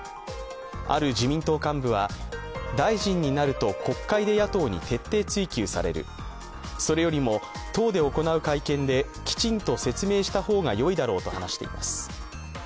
ある自民党幹部は、大臣になると国会で野党に徹底追及される、それよりも党で行う会見できちんと説明した方がよいだろうと話しています。